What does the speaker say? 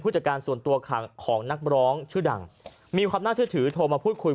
จากการส่วนตัวของนักร้องชื่อดังมีความน่าเชื่อถือโทรมาพูดคุย